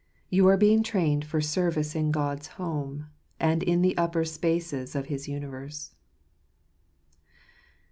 You are being trained for service in God's Home, and in the upper spaces of his universe.